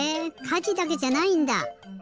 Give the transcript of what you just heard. かじだけじゃないんだ！